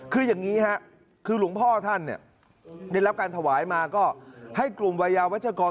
คืออย่างนี้ฮะคือหลวงพ่อท่านเนี่ยได้รับการถวายมาก็ให้กลุ่มวัยยาวัชกร